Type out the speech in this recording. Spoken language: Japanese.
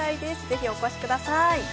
ぜひお越しください